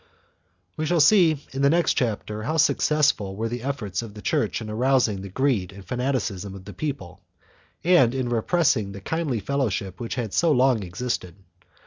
3 We shall see in the next chapter how successful were the efforts of the Church in arousing the greed and fanaticism of the people and in repressing the kindly fellowship which had so long existed.